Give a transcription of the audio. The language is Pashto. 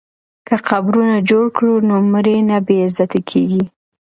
که قبرونه جوړ کړو نو مړي نه بې عزته کیږي.